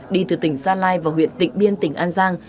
đi từ tỉnh gia lai vào huyện tỉnh biên tỉnh an giang